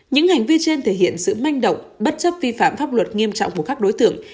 những hành vi trên thể hiện sự manh động bất chấp vi phạm pháp luật nghiêm trọng của các đối tượng